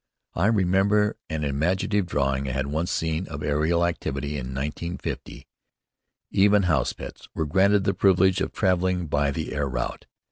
I remembered an imaginative drawing I had once seen of aerial activity in 1950. Even house pets were granted the privilege of traveling by the air route.